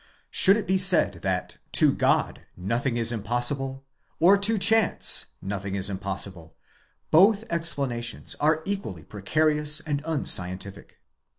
Should it be said that to God nothing is impossible, or to chance nothing is impossible, both explanations are equally precarious and unscientific.